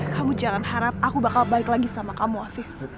kamu jangan harap aku bakal balik lagi sama kamu afif